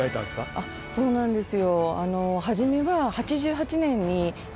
あっそうなんですよ。